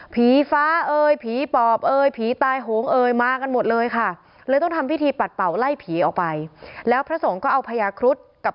ผีฟ้าเอ่ยผีปอบเอ่ยผีตายโหงเอ่ยมากันหมดเลยค่ะ